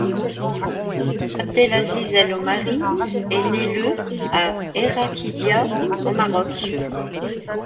Abdelaziz El Omari est né le à Errachidia au Maroc.